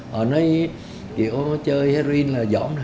họ nói kiểu chơi heroin là dõm nè